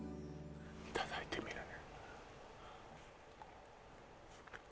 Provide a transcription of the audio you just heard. いただいてみるね